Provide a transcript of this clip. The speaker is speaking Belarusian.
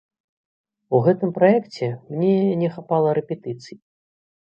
У гэтым праекце мне не хапала рэпетыцый.